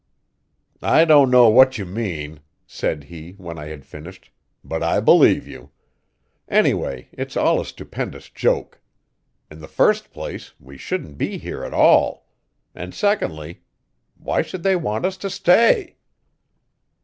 "I don't know what you mean," said he when I had finished, "but I believe you. Anyway, it's all a stupendous joke. In the first place, we shouldn't be here at all. And, secondly, why should they want us to stay?"